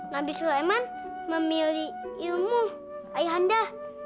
nabi sulaiman memilih ilmu ayahanda